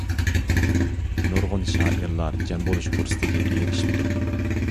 نۇرغۇن شائىرلار جەم بولۇش پۇرسىتىگە ئېرىشىپتۇ.